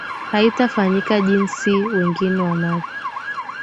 haitafanyika jinsi wengi wanavyo